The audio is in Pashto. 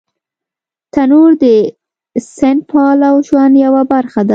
تنور د سنت پاله ژوند یوه برخه ده